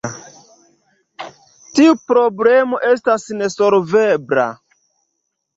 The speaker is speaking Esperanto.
Tiu problemo estas nesolvebla.